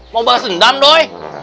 mau bahas sendan doi